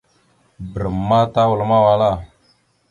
Bəram ma tawal mawala.